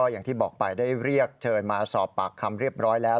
อย่างที่บอกไปได้เรียกเชิญมาสอบปากคำเรียบร้อยแล้ว